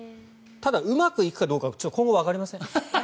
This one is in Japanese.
ただ、うまくいくかどうか今後、わかりません。